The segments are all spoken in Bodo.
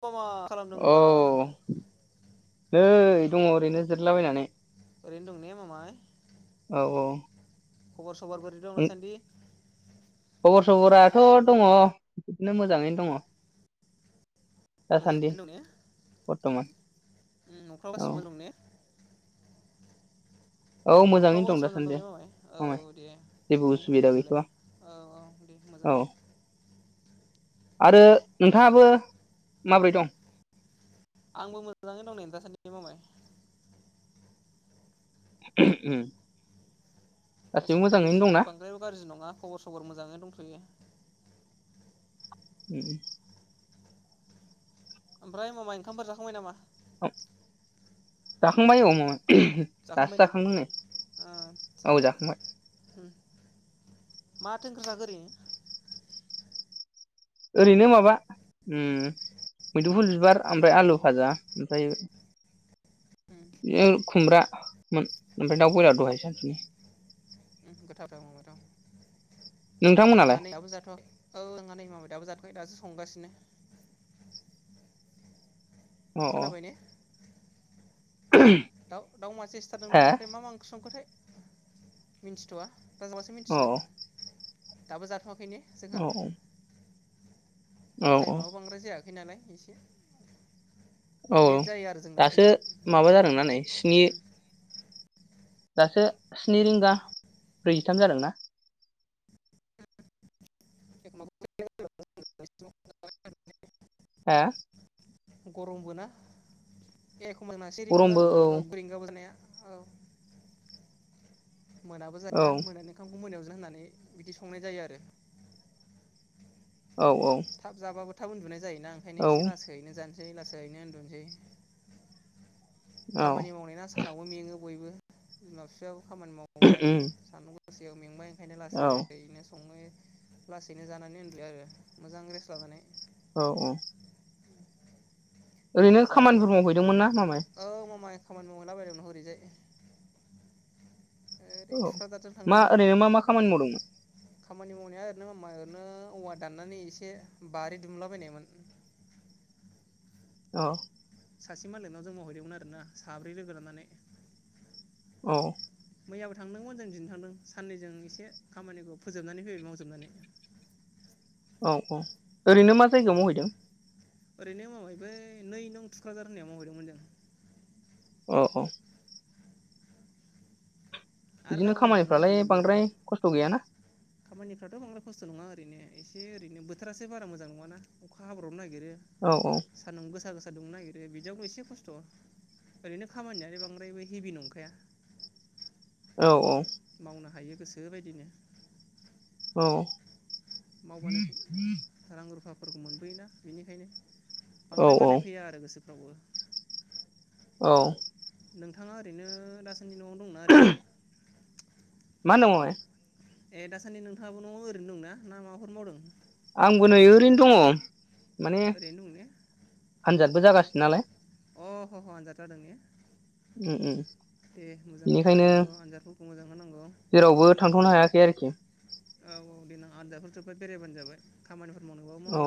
मा मा औ खालामदोंब्रा? नै दङ ओरैनो जिरलाबायनानै। ओरैनो दंने मामाय? औ औ खबर स सबर बोरै दं दासान्दि? खबर सबराथ' दङ बिदिनो मोजाङैनो दङ। दासान्दि मोजाङैनो दं ने बर्थमान न'खराव औ गाैसैबो दंने? औ मोजाङैनो न'फ्रावबो दं गासिबानो मोजाङै दासान्दि दंने माबाय फंबाय औ दे जेबो थिगैनो दं उसुबिदा बिदिबालाय गैथ'वा औ औ दे औ मोजां। आरो नोंथाङाबो माबोरै दं? आंबो मोजाङै दं नै दासान्दि मामाय। उम उम दासान्दि एसे बांद्रायबो गाज्रि नङा खबर सबर मोजाङै दंथ'यो। उम उम ओमफ्राय ममाय ओंखामफोर जाखांबाय नामा? औ जाखांबाय औ मामाय। जाखांबाय ने औ ओथसा जाखांबाय उम। मा थो ओंख्रौ जाखो ओरैनो? ओरैनो माबा उम मैदुफुल बिबार ओमफ्राय आलु भाजा ओमफ्राय उम ओ खुमब्रामोन ओमफ्राय दाउ बयलार दहाय सानसुनि। गैथाव गोथाव उम गोथाव। जोंहा नोंथांमोनालाय नै दाबो जाथ'आखै औ जोंहा नै मामाय। दाबो जाथ'आखै दासो संगासिनो। अ अ खोनाबायने? दाउ दाउ मासे सिथारदों हा आं ओमफ्राय मा मा ओंख्रि संखोथाय। मिनथिथ'आ दा जाबासो औ मिनथिसिगोन। दाबो जाथ'आ खैनो औ जोंहा। औ टाइमआबो बांद्राय जायाखै नालाय। इसे औ औ दासो औ माबा जादों ना नै स्नि उम दासो स्नि रिंगा ब्रैजिथाम जादों ना। [unintelligible] हा गरमबो ना ए खमाबा से रिंगाबो जालाङो औ रिंगाबो जानाया औ मोनाबो औ जायोना मोनानि ओंखामखौ मोनायाव ज होननानै बिदि संनाय जायो आरो औ औ थाब जाबाबो थाब उन्दुनाय जायो ना ओंखायनो औ एसे लासैनो जा सै लासैनो ओन्दुनोसै औ खामानि मावनाय ना सानावबो मेङो बयबो न सेयाव खामानि मावबाय सानदुं हरसेयाव मेंबाय एखायनो औ लासैनो सङो लासैनो जानानै [unintelligible] आरो मोजां रेस लानानै औ औ ओरैनो जाबानो खामानिफोर मावहैदोंमोन ना मामाइ औ मामा खामानि मावहैलाबायदोंमोन हरैजाय औ मा ओरैनो मा मा खामानि मावदोंमोन खामानि मावनाया ओरैनो मामाइ ओरैनो औवा दाननानै इसे बारि दुमलाबायनायमोन। अह सासे मालिकनाव जों मावहैदोंमोन आरोना साब्रै लोगो लानानै। औ मैयाबो थांदोंमोन जों दिनैबो थांदों साननैजों एसे खामानिखौ फोजोबनानै फैबाय मावजोबनानै। औ औ ओरैनो मा जायगायाव मावहैदों ओरैनो मामाइ बै नै नं थुक्राझार होननायाव मावहैदोंमोन जों। अह अह आरो बिदिनो गाबोनबो थांबावनांगोन खामानिफ्रालाय जों बेयावनो बांद्राय खस्थ' गैयाना खामानिफ्राथ बांद्राय खस्थ नङा ओरैनो एसे ओरैनो बोथोरासो बारा मोजां नङाना अखा हाब्राबनो नागिरो। औ नागिरो सान्दुं गोसा गोसा दुंनो नागिरो बिदियावनो' एसे खस्थ' ओरैनो खामानियानो बांद्रायबो हेभि नंखाया। औ औ मावनो हायो गोसो बायदिनो औ मावबानो रां रुफा फोरखौ मोनबोयोना बेनिखायनो औ बांद्राय बानाय औ फैया आरो गोसो [unintelligible] औ नोंथाङा ओरैनो दा सानदि न'आव दंना ओरैनो? मा होनदों मामाइ? ए दासान्दि नोंथाङाबो न' ओरैनो दंना ना माबाफोर मावदों? आंबो नै ओरैनो दङ। माने ओरैनो दं ने आनजादबो जागासिनो। नालाय अ ह ह आनजाथ' जादों ने? उम उम दे मोजां बेनिखायनो फरायनांगौ आनजादफोरखौ मोजां होनांगौ जेरावबो थांथ'नो हायाखै आरोखि। आनजाफोर जोब्बा बेरायबानो जाबाय खामानिफोरखौ औ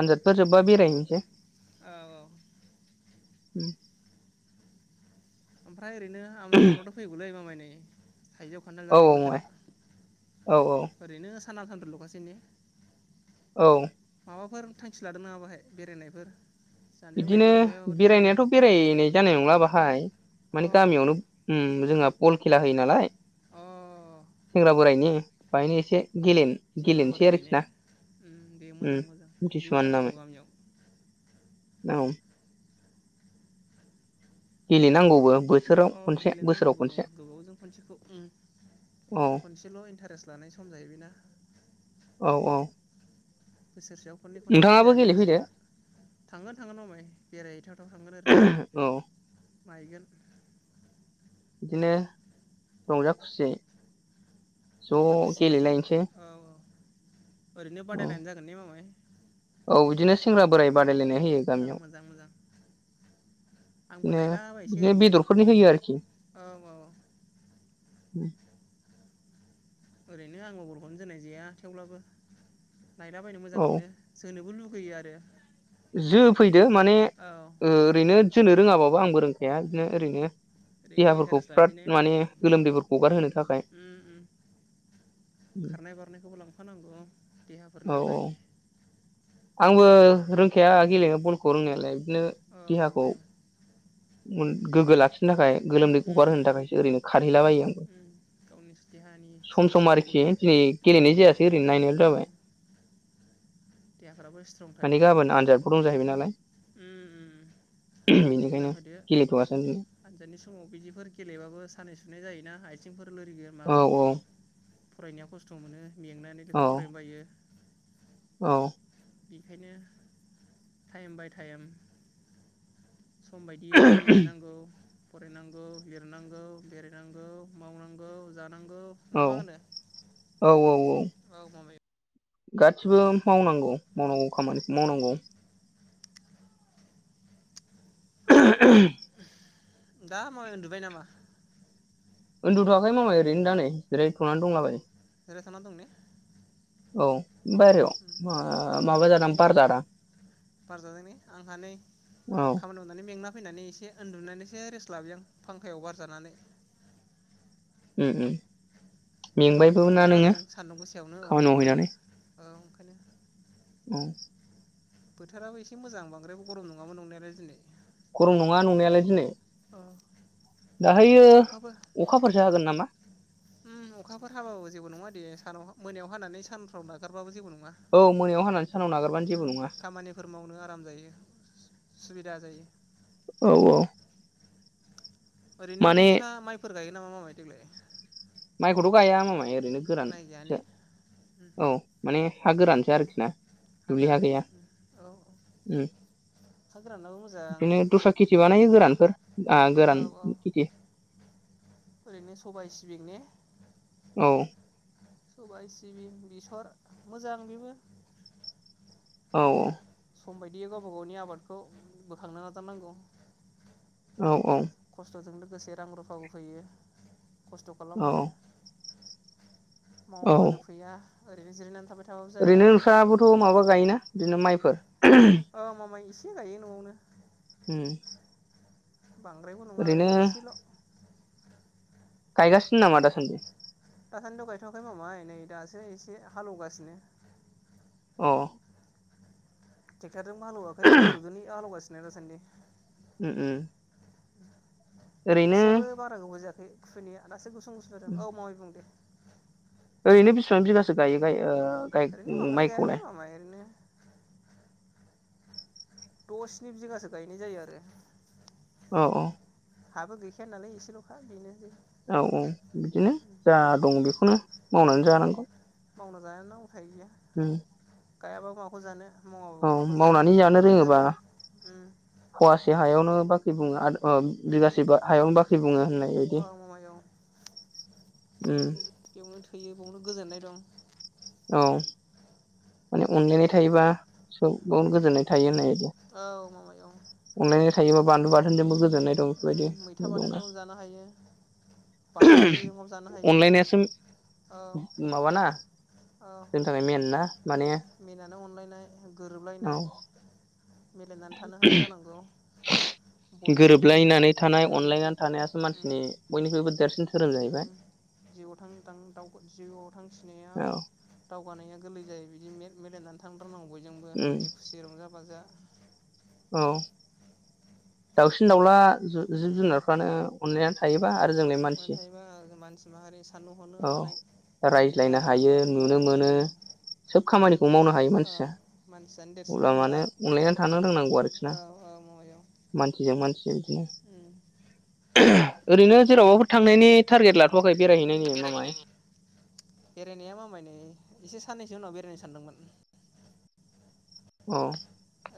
आनजादफोर जोब्बा बेरायनो [inaudible] औ औ उम ओमफाय ओरैनो आमसुवाफ्राथ फैगौलै मामाय नै थाइजौ खान्थाल औ जानाय बोथोरा औ औ ओरैनोस साना सान्थल'खासै ने औ माबाफोर थांखि लादों नामा बाहाय बेरायनायफोर जानाय बिदिनो लोंनायफोर बहायबाफोर बेरायनाय बेरायनायाथ' बेरायनाय जानाय नंला बाहाय अ माने ह ह गामियावनो ओ जोंहा फल खेला होयो नालाय अ सेंग्रा बोरायनि बाहायनो एसे गेले सेंग्रा गेलेनोसै बोरायनि आरोखि ने ना ओम बे उम मोजां मोजां बिदिबो मिथिसुवानि नामै जानांगौ गामियाव [unintelligible] गेलेनांगौबो बोथोराव अ खनसे बोसोराव गेलेनांगौबो खनसे गोबावजों खनसेखौ उम औ खनसेल' इन्टारेस्ट लानाय सम जाहैबायना औ औ बोसोरसेयाव खननै खनथामबो नोंथाङाबो जाया बे गेलेफैदो बुस्थुआ थांगोन थांगोन मामाय बेरायहै थाव थाव थांगोन ओरैनो औ नायगोन बिदिनो रंजा खुसियै रंजा ज' खुसियैनो गेलेलायनोसै औ औ ओरैनो उम बादायलायनाय जागोन ने मामाय औ बिदिनो सेंग्रा बोराय औ बादायलायनाय होयो औ गामियाव मोजां मोजां आंबो बिदिनो नायलाबायसै बिदिनो ओरैनो बेदरफोरनि होयो आरोखि उम औ औ ओरैनो आं बलखौनो जोननाय जाया थेवब्लाबो नायलाबायायनो मोजां औ मोनो जोनोबो लुु गैयो आरो जोफैदो माने औ ओरैनो जोनो रोङाबाबो आंबो रों खाया बिदिनो ओरैनो ओरैनो देहाफोरखौ इन्टारेस्ट फ्राद लानोसै ने माने औ गोलोमदैफोरखौ गगारहोनो थाखाय उम उम फोरनि औ थाखाय आंबो रोंखाया गेलेनो बलखौ रोंनायालाय नो औ देहाखौ माबायाव मोन गोग्गो लाखि नो थाखाय गोलोमदै गगार उम होनो उम थाखायसो ओरैनो खारहैला बायो नंगौ उम गावनि देहानि सम सम सावस्रिफोरखौ आरोखि ने दिनै उम गेलेनाय जायासै ओरैनो नायनायल' औ जाबाय फ्राबो सट्रं माने थायो गाबोन आनजादबो दं जाहैबाय नालाय उम उम उम आनजादफोरखौ मोजां बेनिखायनो होदो गेलेथ'गासिनो आनजादनि समाव बिदिफोर गेलेबाबो सानाय सुनाय जायोनाआयथ थिंफोर लोरि औ औ फरायनाया खस्थ' मोनो मेंनानै औ लेखा फरायनो बायो औ बेखायनो टाइम बाय टाइम सम बायदियै गेलेनांगौ फरायनांगौ लिरनांगौ बेरायनांगौ मावनांगौ जा औ औ औ औ गासिबो मावनांगौ मावनांगौ खामानिखौ मावनांगौ [inaudible] दा मा उन्दुबाय नामा उन्दुथ'वाखै मामाय ओरैनो दा नैै जिरायथ'नानै दंला बायो जिरायथना दं ने औ बायहेरायाव मा माबा बारहायाव जादां दंलै बार जादां आं बार जादों ने आंहा नै औ खामानि मावनानै मेंना फैनानै एसे उन्दुनानैसो रेस्ट लाबाय आं फांखायाव बारजानानै उम उम खामानि मेंबायबो ना मावबायना नोङो जों सान्दुं गोसायावनो औ खामानि मेंबायबो मावहैनानै ओं औ बोथोराबो एसे मोजां बांद्रायबो गरम नङामोन नंनायालाय दिनै गरम नङा नंनायालाय दिनै दाहायो अखाबो अखाफोरसो हागोन नामा उम अखाफोर हाबाबो जेबो नङा दे सानाव मो मोनायाव हानानै सानफ्राव नागारबाबो जेबो नं औ मोनायाव हानानै सानाव नागारबानो जेबो नङा खामानिफोर मावनो आराम जायो सुबिदा जायो औ औ ओरैनो माने नोंसा माइफोर गायगोन नामा मामाय देग्लाय माइखौथ' गाया मामाय [unintelligible] रैनो गोरान माइ गाया सो ने उम औ माने हा गोरानसो उम आरोना दुब्लि हा गोरान ने गैया औ उम हा गोरानाबो मोजां बिदिनो दस्रा खेथि बानायो गोरानफोर आ औ गोरान औ खेथि बिंने औ सबाइ सिबिं बेसर मोजां बेबो औ- औ सम बायदियै गावबा गावनि आबादखौ बोखांनो नाजा नांगौ औ -औ लोगोसे रां रुफा फैयो खस्थ' औ खालामबानो औ मावाबानो फैया ओरैनो जिरायनानै थाबाय थाबाबो जाया ओरैनो नोंसाबोथ' माबा गायोना बिदिनो माइफोर औ मामा इस से गायो न'आवनो उम बांद्रायबो नङा ओरैनो इसेल' गायगासिनो नामा दा सान्दि दासान्द गायथ'वाखै मामाय नै दासो एसे हालोवगासिनो अ [unintelligible] जों हालोवाखै मोसौजोनि हालौवगास [unintelligible] उम -उम ओरैनो खोथियाबो बारा गोबाव जायाख खै खुनिया [unintelligible] [unintelligible] ओरैनो बिसिबां बिगासो गायो गाय ओ गाय औरैनो बांद्राय गायालै माइखौलाय मामाय ओरैनो द' स्नि बिगासो गायनाय जायो आरो औ औ। हाबो गैखाया नालाय एसेल'खा बेनोसै औ औ बिदिनो जा दं बेखौनो उम मावनानै जानांगौ। मावना जाया नांगौ थाहैयो। होम। गायाबाखौ माखौ जानो। मावाबाबो औ माखौ मावनानै माखौ जानो रोङोबा मोनजानो उम फवासे हायावनो बा बुङो आर ओ उम बिगासे हायावनो बाख्रि बुङो। होननाय बायदि औ मामाय औ। उम। बेयावनो थैयो बेयावनो गोजोननाय दं औ। माने अनलायनाय थायोबा सोब फोसावनो गोजोननाय थायो होननाय। औ मामायं अनलायनाय थायोबा बानलु बाथोनजोंबो उम गोजोननाय दं बेफोरबायदि उम मैथा दं बाथोनजोंबाबो जानो हायो बानलु थाइसेजोंबाबो जानो हायो अनलायनायासो औ माबाना जोंनि थाखाय मेन ना माने मिनानो अनलायनाय औ गोरोबलायनाय मिलायनानै थानो हानाय जानांगौ बयजोंबो गोरोबलायनानै थानाय उम अनलायनानै थानायासो मानसिनि बयनिख्रुबो देरसिन धोरोम जाहैबाय जिआव थां थां दउ जिउआव थांसि औ। जगानाया गोरलै जायो बिदि मिलायनानै थां फोरनाव बयजोंबो उम मिनि खुसि रंजा बाजा औ। दाउसिन दाउला जिब जुनारफ्रानो अननायानो थायोबा आरो जोंलाय म मानसि थायोबा मानसि माहारि साननो हरनो औ हानाय गोहो रायज्लायनो हायो गोनाङा औ नुनो मोनो जोंनो सोब खामानिखौ मावनो हायो औ मानसिया मानसियानो देरसिन अब्ला मानो जुनाद अनलायनानै थानो रोंनांगौ आरोखि ना औ औ माबायाव मानसिजों मानसि बिदिनो उम ओरैनो जेरावबाफोर थांनायनि टारगेट लाथ'वाखै बेरायहैनायनि मामाय बेरायहै बेरायनाया मामाय एसे सानैनैसो एसे उनाव बेरायनो सानदोंमोन। अ।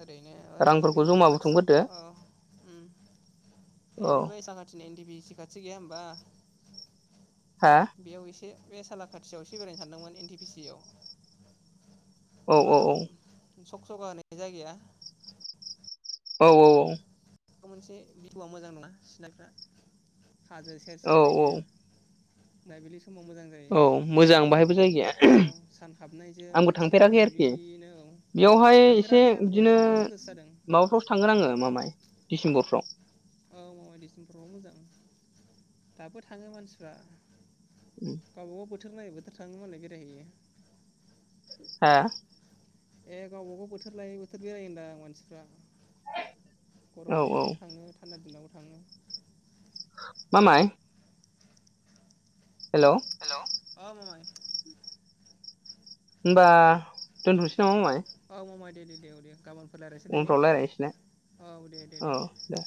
ओरैनो इ बे माबा खाथियाव बुथुमग्रोदो औ औ ओरैनो बै साखाथिनि इनदि बि सि खाथि गैया होमबा हा बेयाव एसे बे सालाकाथियावसो बेरायनो सानदोंमोन एन टि पि सि आव औ औ माबायाव औ सखसखा होन जायगाया औ औ औ। म मोनसे भिहउआ मोजां नङा सिनारिफ्रा हाजो सेर औ सरैनो औ मोनाबिलि सम औ मोजां बाहायबो जायगाया औ सान हाबनायजों आंबो एसे थांफेराखै आरोखि मोनाबिलिनो औ बेयावहाय एसे थांफेराखै आंबो बिदिनो थांनोसो गोसो जादों माबाफ्रावसो थांगोन आङो मामाय डिसेम्बरफ्राव औ माबायदिसिमफ्रावबो होजागोन दाबो थाङो मानसिफ्रा गावबा गाव बोथ बोथोर नायै बोथोर थाङो मालाय बेरायहैयो। हा ए गावबागाव बोथोर लायो बोथोर बेरायोन्दां मानसिफ्रा। गरम औ औ दिनावबो थाङो थान्दा दिनावबो थाङो मामाइ हेल' अ माय ओमबा दोनथ'निस सआव माय औ मामाय दे दे दे औ दे गाबोन उनफ्राव रायलायनोसै ना दे दे औ दे।